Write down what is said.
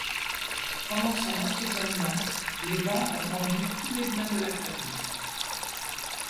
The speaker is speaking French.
Pendant son emprisonnement, les banques ont vendu tous les biens de la famille.